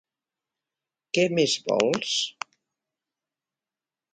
Què més vols?